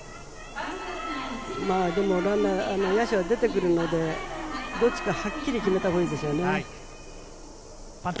でも野手は出てくるので、どっちかはっきり決めたほうがいいですよね。